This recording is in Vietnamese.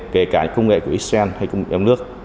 kể cả công nghệ của xen hay công nghệ nước